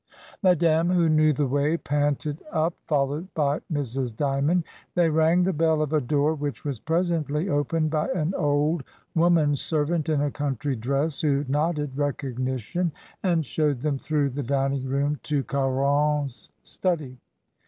Madame, who knew the way, panted up, followed by Mrs. Dymond. They rang the bell of a door, which was presently opened by an old woman servant in a country dress, who nodded recognition, 228 MRS. DYMOND. and showed them through the dining room to Ca ron's study.